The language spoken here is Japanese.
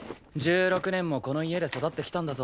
１６年もこの家で育ってきたんだぞ。